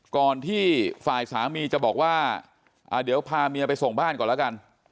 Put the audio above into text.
ก่อนที่ฝ่ายสามีจะบอกว่าเดี๋ยวพาเมียไปส่งบ้านก่อนแล้วกัน